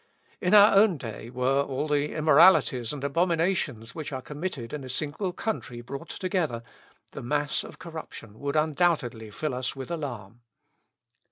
In our own day, were all the immoralities and abominations which are committed in a single country brought together, the mass of corruption would undoubtedly fill us with alarm.